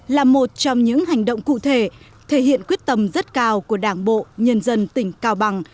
là một trong những hành động cụ thể thể hiện quyết tâm rất cao của đảng bộ nhân dân tỉnh cao bằng